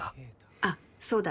あっそうだ。